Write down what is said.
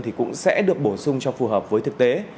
thì cũng sẽ được bổ sung cho phù hợp với thực tế